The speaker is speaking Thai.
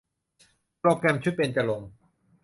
โปรแกรมชุดเบญจรงค์